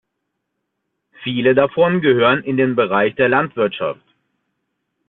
Viele davon gehören in den Bereich der Landwirtschaft.